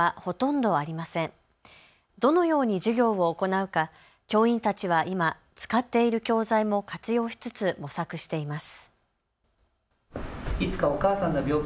どのように授業を行うか教員たちは今、使っている教材も活用しつつ模索しています。